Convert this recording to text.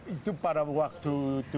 itu pada waktu itu